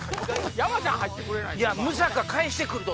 山ちゃん入ってくれないと。